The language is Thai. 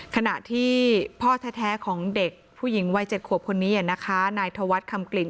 ขณะที่พ่อแท้ของเด็กผู้หญิงวัย๗ขวบคนนี้นะคะนายธวัฒน์คำกลิ่น